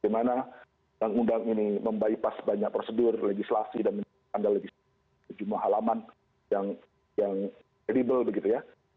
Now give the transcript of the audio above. gimana yang undang ini membaipas banyak prosedur legislasi dan mengandalkan legis legis semua halaman yang yang readable gitu ya